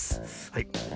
はい。